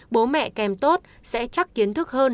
bố mẹ kèm tốt sẽ chắc kiến thức hơn